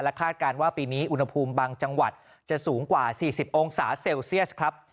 คาดการณ์ว่าปีนี้อุณหภูมิบางจังหวัดจะสูงกว่า๔๐องศาเซลเซียสครับ